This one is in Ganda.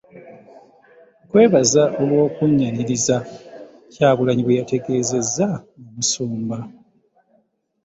"Nkwebaza olw’okunnyaniriza.” Kyagulanyi bw'eyategeezezza Omusumba.